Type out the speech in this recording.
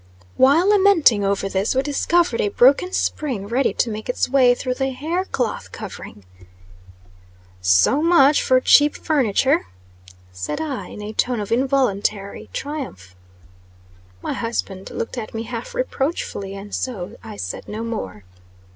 While lamenting over this, we discovered a broken spring ready to make its way through the hair cloth covering. "So much for cheap furniture," said I, in a tone of involuntary triumph. My husband looked at me half reproachfully, and so I said no more.